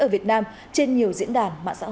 ở việt nam trên nhiều diễn đàn mạng xã hội